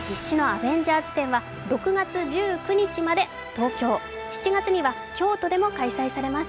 必至のアベンジャーズ展は６月１９日まで東京７月には京都でも開催されます。